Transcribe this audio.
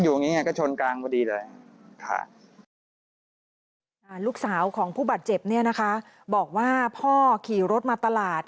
ลูกสาวของผู้บาดเจ็บเนี่ยนะคะบอกว่าพ่อขี่รถมาตลาด